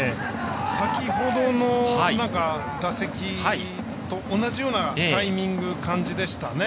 先ほどの打席と同じようなタイミング、感じでしたね。